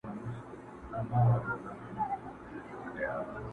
یو درزن چي دي زامن دي زېږولي!!